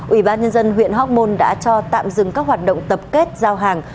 ủy ban nhân dân huyện hóc môn đã cho tạm dừng các hoạt động tập kết giao hàng